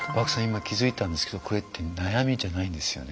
今気付いたんですけどこれって悩みじゃないんですよね。